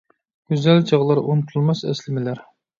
گۈزەل چاغلار، ئۇنتۇلماس ئەسلىمىلەر!